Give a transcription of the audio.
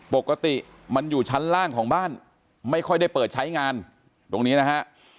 ปกติมันอยู่ชั้นล่างของบ้านไม่ค่อยได้เปิดใช้งานตรงนี้นะฮะ